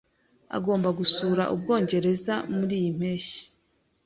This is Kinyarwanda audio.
Agomba gusura Ubwongereza muriyi mpeshyi.